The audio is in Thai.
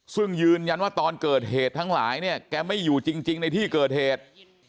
ซึ่งยืนยันว่าตอนเกิดเหตุทั้งหลายเนี่ยแกไม่อยู่จริงในที่เกิดเหตุ